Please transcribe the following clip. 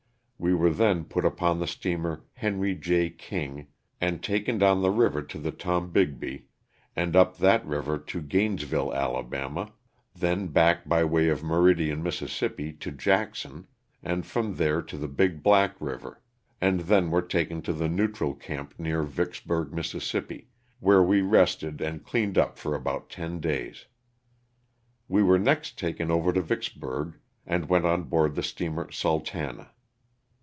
We were then put upon the steamer " Henry J. King" and taken down the river to' the Tombigbee, and up that river to Gainesville, Ala., then back by way of Meridian, Miss., to Jackson, and from there to the Big Black river, and then were taken to the neutral camp near Vicksburg, Miss., where we rested and cleaned up for about ten days. We were next taken over to Vicksburg, and went on board the steamer ''Sultana."